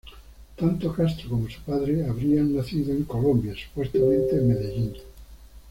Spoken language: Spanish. Tanto Castro como su padre habrían nacido en Colombia, supuestamente en Medellín.